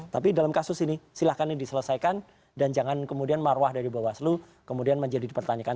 tapi dalam kasus ini silahkan diselesaikan dan jangan kemudian marwah dari bawaslu kemudian menjadi dipertanyakan